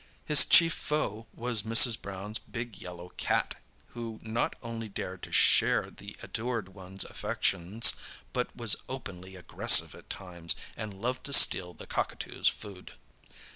His chief foe was Mrs. Brown's big yellow cat, who not only dared to share the adored one's affections, but was openly aggressive at times, and loved to steal the cockatoo's food.